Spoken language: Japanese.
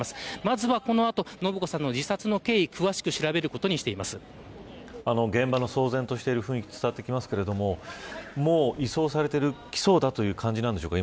まずはこの後、延子さんの自殺の経緯を詳しく調べることに現場の騒然としている雰囲気が伝わってきますが移送されてきそうという状況なんでしょうか